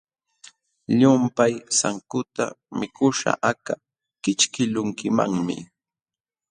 Llumpay sankuta mikuśhqa aka kićhkiqlunkimanmi.